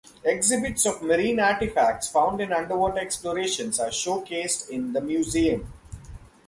Exhibits of marine artifacts found in underwater explorations are show cased in the Museum.